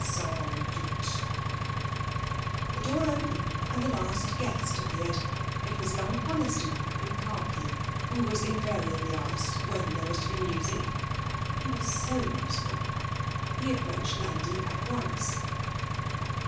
'Sans doute!' The door opened and the last guest appeared. It was young Coniston (in khaki), who was invariably asked when there was to be music. He was so useful. He approached Landi at once.